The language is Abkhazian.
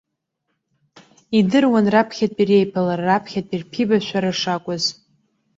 Идыруан, раԥхьатәи реиԥылара, раԥхьатәи рԥибашәара шакәыз.